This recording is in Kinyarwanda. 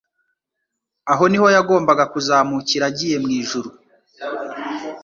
Aho ni ho yagombaga kuzamukira agiye mu ijuru.